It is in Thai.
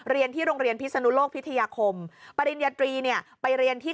เรียนที่โรงเรียนพิศนุโลกพิทยาคมปริญญาตรีเนี่ยไปเรียนที่